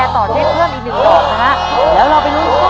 ถูกถูก